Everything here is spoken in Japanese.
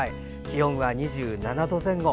気温は２７度前後。